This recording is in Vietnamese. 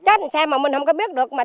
chết sát mà mình không có biết được